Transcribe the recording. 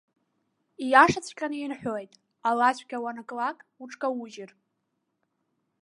Ииашаҵәҟьаны ирҳәоит, алацәгьа уанаклак, уҽкаужьыр.